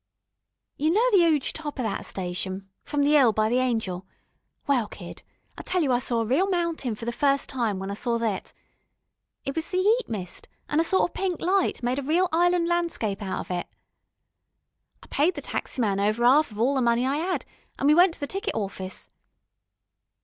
You know the 'uge top o' thet station from the 'ill by the Angel well, kid, I tell you I saw a reel mountain for the first time, when I saw thet. It was the 'eat mist, an' a sort o' pink light made a reel 'ighland landscape out of it. I paid the taxi man over 'alf of all the money I 'ad, an' we went to the ticket awfice.